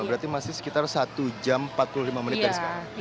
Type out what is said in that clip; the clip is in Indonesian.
tujuh empat puluh lima berarti masih sekitar satu jam empat puluh lima menit dari sekarang